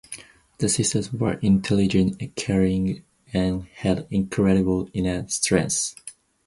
The sisters were intelligent, caring and had incredible inner strength.